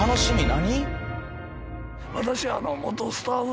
何？